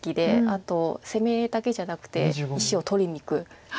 あと攻めだけじゃなくて石を取りにいく。